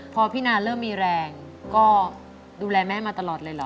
พอพี่นาเริ่มมีแรงก็ดูแลแม่มาตลอดเลยเหรอ